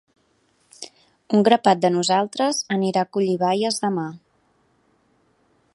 Un grapat de nosaltres anirà a collir baies demà.